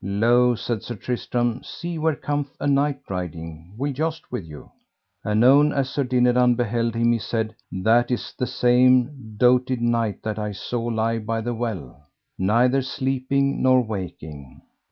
Lo, said Sir Tristram, see where cometh a knight riding will joust with you. Anon, as Sir Dinadan beheld him he said: That is the same doted knight that I saw lie by the well, neither sleeping nor waking.